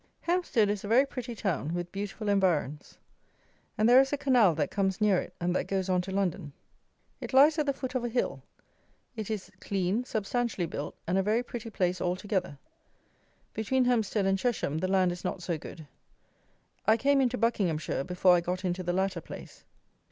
Hempstead is a very pretty town, with beautiful environs, and there is a canal that comes near it, and that goes on to London. It lies at the foot of a hill. It is clean, substantially built, and a very pretty place altogether. Between Hempstead and Chesham the land is not so good. I came into Buckinghamshire before I got into the latter place.